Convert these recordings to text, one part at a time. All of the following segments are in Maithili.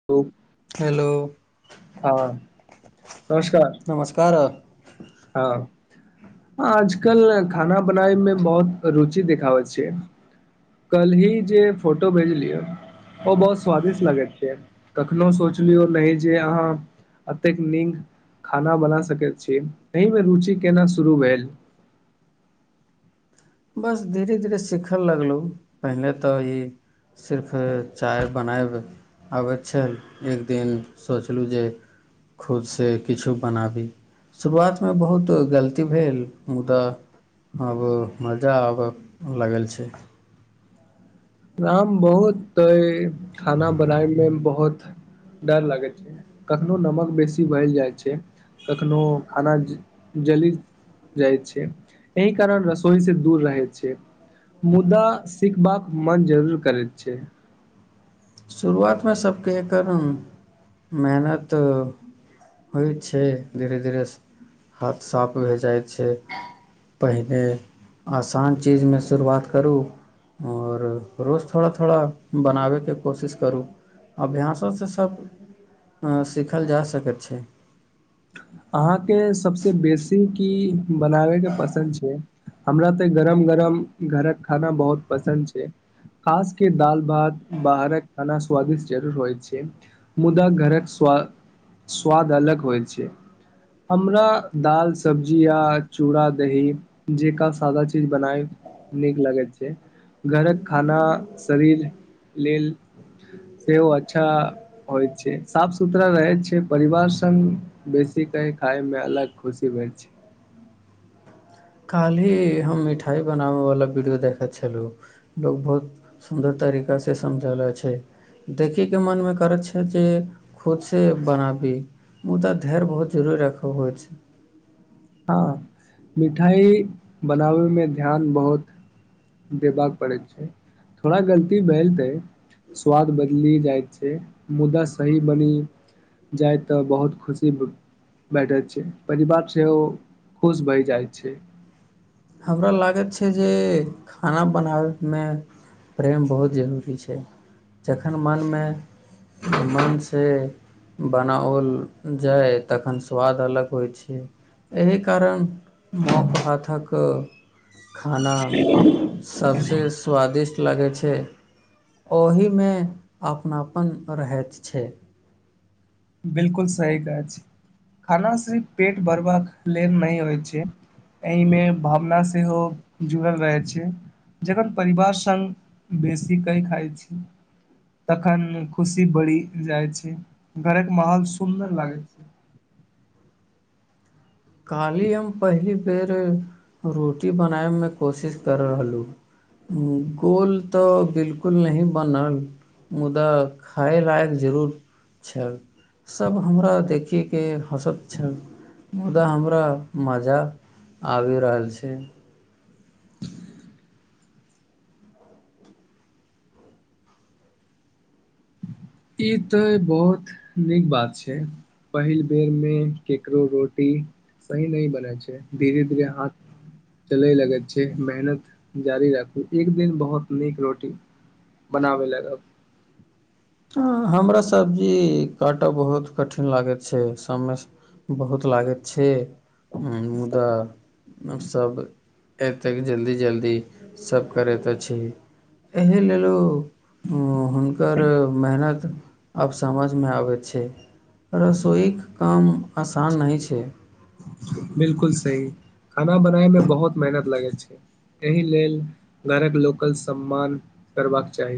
[unintelligible] हेलो हँ नमस्कार नमस्कार हँ आज कल खाना बनाय मे बहुत रुचि देखाबै छिये कल्हि जे फोटो भेजलियै ओ बहुत स्वादिष्ट लगैत छै कखनोहु सोचलियौ नहि जे अहाँ एतेक नीक खाना बना सकैत छी एहिमे रुचि केना शुरू भेल बस धीरे धीरे सिखल लगलु पहिले तऽ ई सिर्फ चाय बनाएब अबैत छल एक दिन सोचलहुँ जे खुदसे किछु बनाबी शुरुआतमे बहुत गलती भेल मुदा आब मजा आबऽ लागल छै राम बहुत तऽ ई खाना बनाय मे बहुत डर लागै छै कखनो नमक बेसी भल जाइ छै कखनो खाना जली जाइत छै एहि कारण रसोई से दूर रहैत छै मुदा सिखबाक मन जरूर करैत छै शुरुआतमे सभके एकर मेहनत होइ छै धीरे धीरे हाथ साफ भै जाइ छै पहिले आसान चीजमे शुरुआत करू और रोज थोड़ा थोड़ा बनाबेके कोशिश करू अभ्यासोसँ सब सीखल जा सकैत छै अहाँके सभसँ बेसी की बनाबैके पसन्द छै हमरा तऽ गरम गरम घरक खाना बहुत पसन्द छै खासके दाल भात बाहरक खाना स्वादिष्ट जरू होइ छै मुदा घरक स्व स्वाद अलग होइ छै हमरा दाल सब्जी या चूड़ा दही जेका सादा चीज बनाय नीक लगैत छै घरक खाना शरीर लेल सेहो अच्छा होइ छै साफ सुथरा रहै छै परिवार संग बेसी खुशी कहै खायमे अलग खुशी भेल छै काल्हि ही हम मिठाइ बनाबयवालला वीडियो देखैत छलहुँ लोको बहुत सुन्दर तरीकासँ समझलो छै देखी के मनमे करैत छै जे खुद से बनाबी मुदा धैर्य बहुत जरुरी राखब होइ छै हँ मिठाई बनाबै मे ध्यान बहुत देबाक पड़ैत छै थोड़ा गलती भेलतै स्वाद बदलि जाइत छै मुदा सही बनी जाय तऽ बहुत खुशी बैठे छै परिवार सेहो खुश भहि जाइत छै हमरा लागैत छै जे खाना बनाबयमे प्रेम बहुत जरूरी छै जखन मनमे मनसे बनाओल जाय तखन स्वाद अलग होइत छै एहि कारण मां के हाथक के खाना सबसँ स्वादिष्ट लागै छै ओहिमे अपनापन रहैत छै बिलकुल सही कहय छै खाना सिर्फ पेट भरबाक ले नह होइ छै एहि मे भावना सेहो जुड़ल रहैत छै जकर परिवार सङ्ग बेसी कइ खाइत छी तखन खुशी बढ़ि जाइ छै घरके माहौल सुन्दर लागै छै कहली हम पहली बेर रोटी बनाय मे कोशिश कर रहलहु गोल तऽ बिलकुल नहिही बनल मुदा खाय लायक जरूर छै सब हमरा देखैके हँसत छन मुदा हमरा मजा आबि रहल छै ई ते बहुत नीक बात छै पहिल बेर मे केकरो रोटी सही नहि बने छै धीरे धीरे हाथ चलय लगैत छै मेहनत जारी राखू एक दिन बहुत नीक रोटी बनाबे लग हमरा सब्जी काटय बहुत कठिन लागैत छै सममे बहुत लागैत छै मुदा सभ एतेक जल्दी जल्दी सभ करैतैत छी एहि लेल हुनकर मेहनत आब समझमे आबैत छै रसोइके काम आसान नहि छै बिलकुल सही खाना बनाय मे बहुत मेहनत लगैत छै एहि लेल घरक लोकल सम्मान करबाक चाही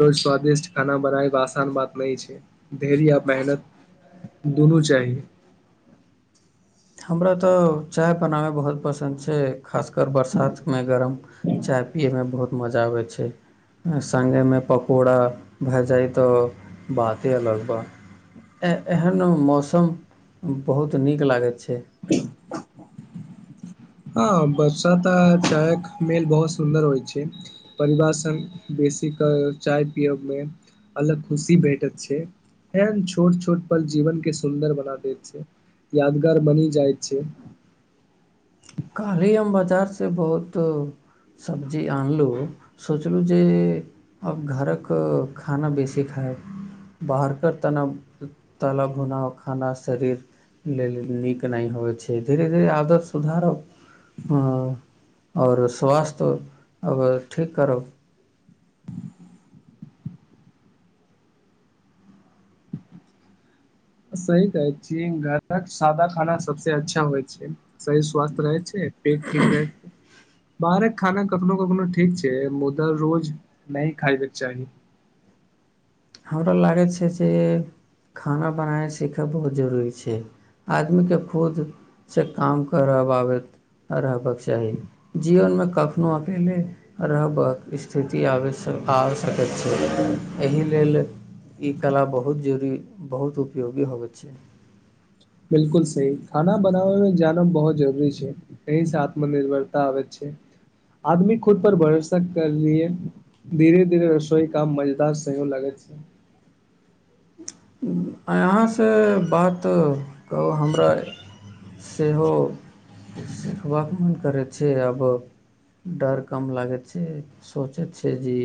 रोज स्वादिष्ट खाना बनायब आसान बात नहि छै धैर्य आ मेहनत दुनू चाहि हमरा तऽ चाय बनाबै बहुत पसन्द छै खासकर बरसातमे गरम चाय पियैमे बहुत मजा आबै छै सङ्गेमे पकौड़ा भए जाइ तऽ बाते अलग बा एहन मौसम बहुत नीक लागैत छै हँ बरसाात आ जायक मेल बहुत सुन्दर होइ छै परिवार स बेसी ते चाय पियब मे अलग खुशी भेटैत छै खैर छोट छोट पल जीवन के सुन्दर बना दैत छै यादगार बनिये जाइत छै करैय मजा से बहुत सब्जी आनलहुँ सोचलहुँ जे आब घरक खाना बेसी खायब बाहर क त तरह-भुनल खाना शरीर लेल नीक नहि होइ छै धीरे धीरे आदत सुधारब ह आओर स्वास्थ्य अगर ठीक करब सही कहै छी घरक सादा खाना सबसँ अच्छा होइ छै शरीर स्वासस्थ रहै छै ठीक छी जे बाहर के खाना कखनो कखनो ठीक छै मुदा रोज नहि खायकेँ चाही हमरा लागैत छै जे खाना बनाय सीखय बहुत जरूरी छै आदमीके खुद से काम करेबाक रहबाक चाही जीवनमे कखनो अकेले रहबक स्थिति आबैय सँ आ सकैत छै एहि एहि लेल ई कला बहुत जरुरी बहुत उपयोगी होबै छै बिलकुल सही खाना बनाबै मे जानब बहुत जरूरी छै एहि से आत्मनिर्भरता आबैत छै आदमी खुद पर भरोसा करए धीरे धीरे रसोई काम मजेदार सही मे लगैत छै आहां सँ बात कहू हमरा सेहो सिखबाक मोन करैत छै आब डर कम लागैत छै सोचै छै जे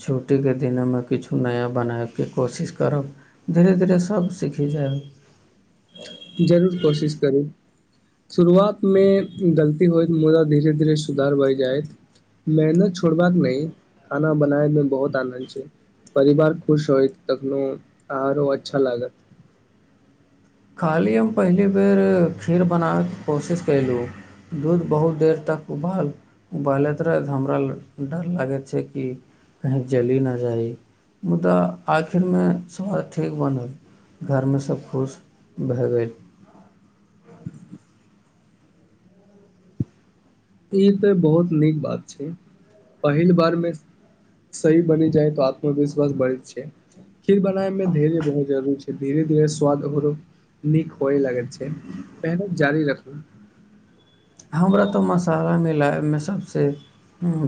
छुट्टी के दिन मे किछु नया बनायब के कोशिश करब धीरे धीरे सब सीखि जायब जरूर कोशिश करू शुरुआतमे गलती होइत मुदा धीरे धीरे सुधार भऽ जाइत मेहनत छोड़बाक नहि खाना बनाय मे बहुत आनन्द छै परिवार खुश होयत तखनो आहारो अच्छा लागत खाली हम पहिल बेर खीर बनेबाक कोशिश कर लू दूध बहुत देर तक उबल बलैत रहै हमरा ल डर लागैत छै कि कही जली न जाइी मुदा आखिरमे स्वाद ठीक बनल घरमे सभ खुश भ गेलत ई तऽ बहुत नीक बात छै पहिल बार मे सही बनी जाइ तऽ आत्मविश्वास बढ़ै छै खीर बनेबामे मे धैर्य बहुत जरूरी छै धीरे धीरे स्वाद ओकरो नीक होए लागैत छै मेहनत जारी रखल हमरा तऽ मसाला मिलेबामे सभसँ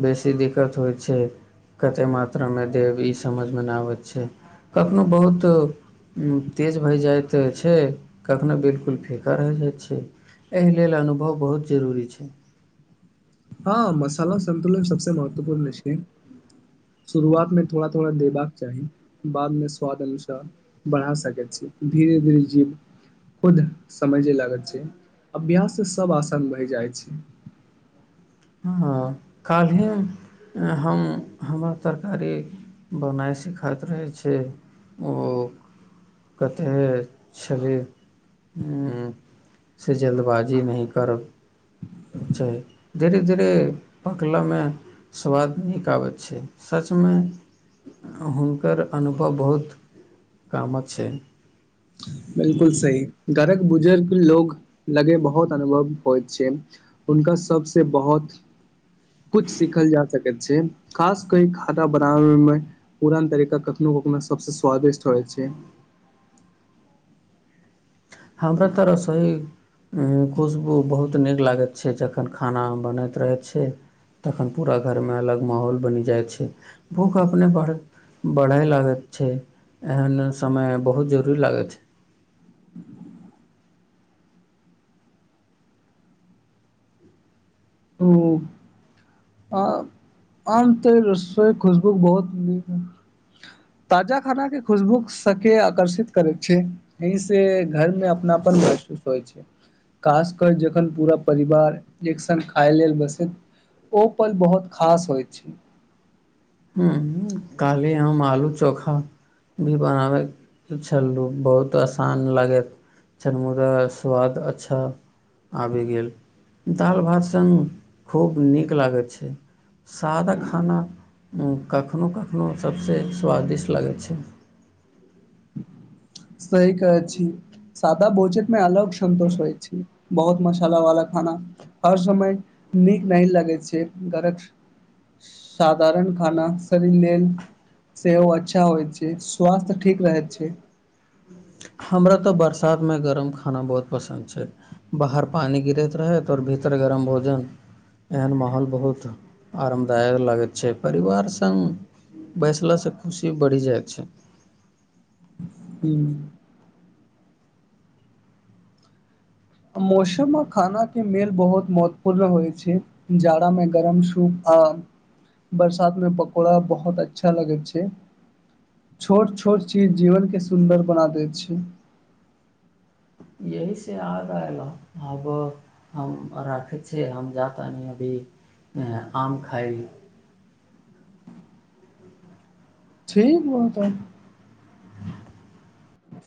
बेसी दिक्कत होइ छै कतेक मात्रामे देब ई समझमे नहि आबैत छै कखनहु बहुत तेज भए जाइत छै कखनहु बिल्कुल फिका होइ जाइत छै एहि लेल अनुभव बहुत जरूरी छै हँ मसाला संन्तुलन सबसँ महत्वपूर्ण छै शुरुआत में थोड़ा थोड़ा देबाक चाही बादमे स्वाद अनुसार बढ़ा सकैत छी धीरे धीरे जीव खुद समझे लागैत छै अभ्यास से सब आसान भ जाइत छै हाँ काल्हि हम हमर तरकारी बनाइ सिखाइत रहै छै ओ कतेक छलीह हँ से जल्दबाजी नहि करब छै धीरे धीरे पकलऽमे स्वाद नीक आबैत छै सचमे ह् हुनकर अनुभव बहुत कामक छै बिल्कुल सही घरक बुजुर्ग लोग लगे बहुत अनुभव होइत छै हुनका सभसे बहोत कुछ सीखल जा सकैत छै खास क ई खाना बनाबऽ मे पुरान तरीका कखनो कखनो सबस स्वादिष्ट रहैइ छै हमर तऽ रसोई खुशबू बहुत नीक लागैत छै जखन खाना बनैत रहैत छै तखन पूरा घरमे अलग महौल बनि जाइ छै भूख अपने बढ़ बढ़ै लागत छै एहन समय बहुत जरूरी लागै छै ऊ आ आम तऽ तो [unintelligible] र खुशबू बहुत ही ताजा खाना के खुशबू सके आकर्षित करै छै एहि से घर मे अपनापन महसूस होइ छै कास कर जखन पूरा परिवार एक सनक खाय लेल बसति ओ पल बहुत खास होयत छै हु हु काली हम आलू चोखा भी बनाबै छलहु बहुत आसान लागैत चरमोदा स्वाद अच्छा आबि गेल दाल भात सङ्ग खूब नीक लागैत छै सादा खाना कखनहु कखनहु सभसे स्वादिष्ट लगैत छै सही कहै छी सादा भोजन में अलग सन्तोष होइ छी बहुत मसाला वाला खाना हर समय नीक नहि लगैत छै घरक साधारण खान शरीर लेल सेहो अच्छा होइत छै स्वास्थ्य ठीक रहैत छै हमरा तऽ बरसात मे गरम खाना बहुत पसन्द छै बाहर पानि गिरैत रहैत और भीतर गरम भोजन एहन माहौल बहुत आरामदायक लगैत छै परिवार संग बैसलासँ खुशी बढ़ि जाइ छै हूँ मौसम आ खानाके मेल बहुत महत्वपूर्ण होइ छै जाड़ामे गरम सूप आ बरसात में पकौड़ा बहुत अच्छा लगै छै छोट छोट चीज जीवनके सुन्दर बना दैत छै यहि से आगा एलौ आब हम राखै छ हम जा तनि अभी आम खाइ ठीक बातब [unintelligible]